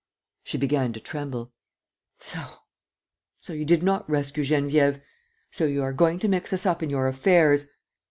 She began to tremble: "So ... so you did not rescue Geneviève. ... So you are going to mix us up in your affairs.